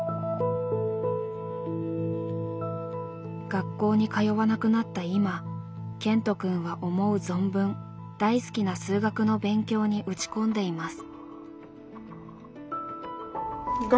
学校に通わなくなった今ケントくんは思う存分大好きな数学の勉強に打ち込んでいます。